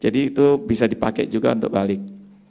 jadi itu bisa dipakai juga untuk balik